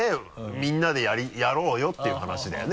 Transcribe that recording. みんなでやろうよっていう話だよね。